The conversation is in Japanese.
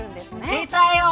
出たよ。